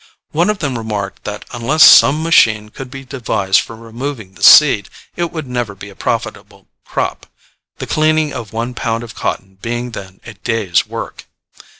One of them remarked that unless some machine could be devised for removing the seed it would never be a profitable crop (the cleaning of one pound of cotton being then a day's work).